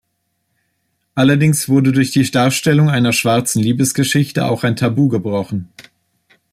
Allerdings wurde durch die Darstellung einer schwarzen Liebesgeschichte auch ein Tabu gebrochen.